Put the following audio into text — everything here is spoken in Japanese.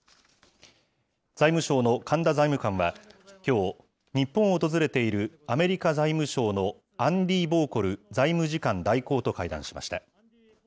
財務省の神田財務官はきょう、日本を訪れているアメリカ財務省のアンディ・ボーコル財務次官代行と会談しました。